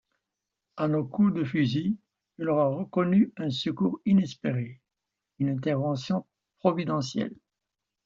À nos coups de fusil, il aura reconnu un secours inespéré, une intervention providentielle.